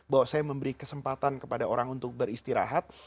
bahwa saya memberi kesempatan kepada orang untuk beristirahat